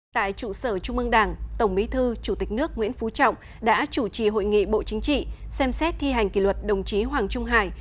tại trụ sở trung mương đảng tổng bí thư chủ tịch nước nguyễn phú trọng đã chủ trì hội nghị bộ chính trị xem xét thi hành kỷ luật đồng chí hoàng trung hải